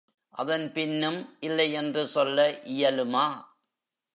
அதன் பின்னும் இல்லையென்று சொல்ல இயலுமா?